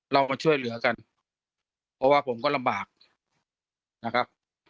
เรามาช่วยเหลือกันเพราะว่าผมก็ลำบากนะครับ